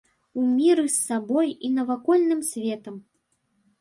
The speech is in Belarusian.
У міры з сабой і навакольным светам.